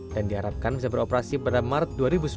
dan diharapkan bisa beroperasi pada maret dua ribu sembilan belas